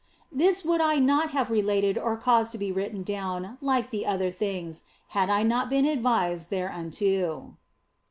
This would I not have related or caused to be written down like the other things had I not been advised there unto.